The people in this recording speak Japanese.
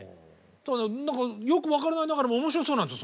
何かよく分からないながらも面白そうなんですよ